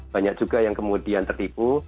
banyak juga yang kemudian tertipu